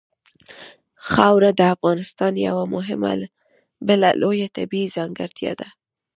خاوره د افغانستان یوه بله لویه طبیعي ځانګړتیا ده.